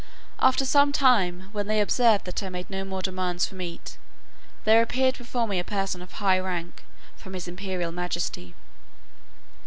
After some time, when they observed that I made no more demands for meat, there appeared before me a person of high rank from his imperial majesty.